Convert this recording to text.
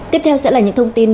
tiếp theo sẽ là những thông tin